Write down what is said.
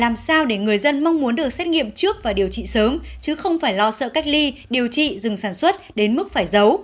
mong muốn được xét nghiệm trước và điều trị sớm chứ không phải lo sợ cách ly điều trị dừng sản xuất đến mức phải giấu